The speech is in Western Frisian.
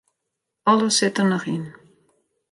Alles sit der noch yn.